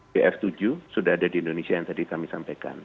br tujuh sudah ada di indonesia yang tadi kami sampaikan